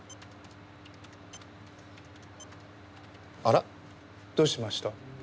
あら？どうしました？